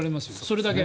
それだけ。